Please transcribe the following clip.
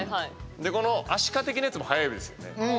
このアシカ的なやつも速いわけですよね。